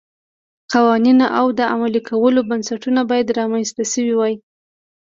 قوانین او د عملي کولو بنسټونه باید رامنځته شوي وای.